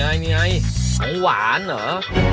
นี่ไงอังหวานเหรอ